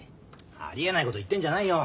ありえないこと言ってんじゃないよ。